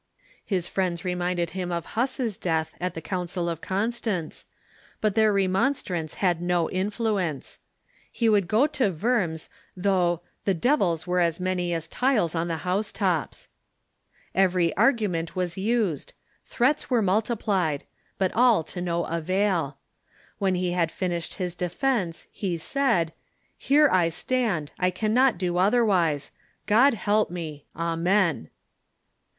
His friends reminded him of Huss's death at the Council of Constance, but their remonstrance had no influ ence. He would go to Worms though "the devils were as many as tiles on the house tops." Every argument was used ; threats were multiplied; but all to no avail. When he had finished his defence, he said : "Here I stand ; I cannot do otherwise. God help me ! Amen."